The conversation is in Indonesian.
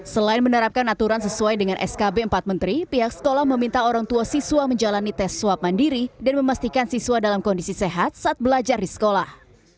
selain menerapkan aturan sesuai dengan skb empat menteri pihak sekolah meminta orang tua siswa menjalani tes swab mandiri dan memastikan siswa dalam kondisi sehat saat belajar di sekolah